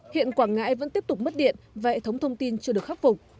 hiện quảng ngãi vẫn tiếp tục mất điện và hệ thống thông tin chưa được khắc phục